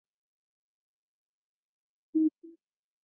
小叶粗筒苣苔为苦苣苔科粗筒苣苔属下的一个种。